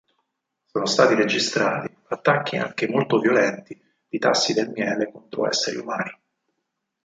Sono stati registrati attacchi anche molto violenti di tassi del miele contro esseri umani.